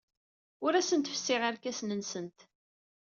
Ur asent-fessiɣ irkasen-nsent.